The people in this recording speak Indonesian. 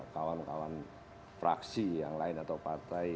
kawan kawan fraksi yang lain atau partai